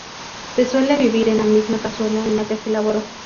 Se suele servir en la misma cazuela en la que se elaboró.